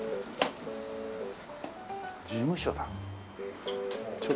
事務所だ。